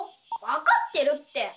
分かってるって！